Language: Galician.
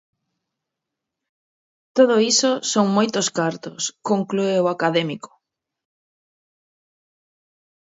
Todo iso "son moitos cartos", conclúe o académico.